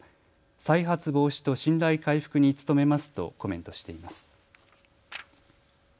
再発防止と信頼回復に努めますとコメントしています。